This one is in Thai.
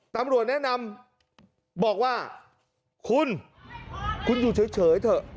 ตำรวจแนะนำบอกว่าคุณคุณอยู่เฉยเถอะ